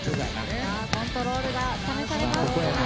さあコントロールが試されます。